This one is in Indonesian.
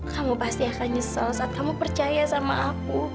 kamu pasti akan nyesel saat kamu percaya sama aku